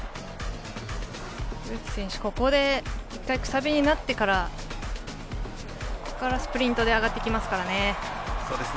植木選手１回くさびになってからここからスプリントで上がってきますからね。